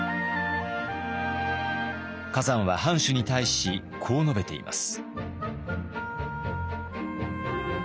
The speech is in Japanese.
崋山は藩主に対しこう述べています。